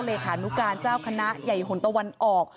เลขานุการเจ้าคณะใหญ่หนตะวันออก